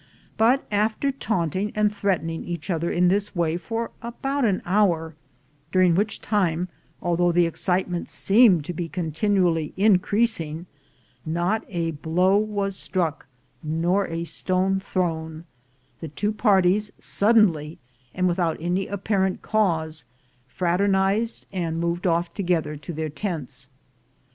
But after taunting and threatening each other in this way for about an hour, during which time, although the excitement seemed to be continually increasing, not a blow was struck INDIANS AND CHINAMEN 145 nor a stone thrown, the two parties suddenly, and without any apparent cause, fraternized, and moved ofiE together to their tents.